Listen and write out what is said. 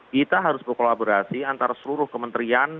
kita harus berkolaborasi antara seluruh kementerian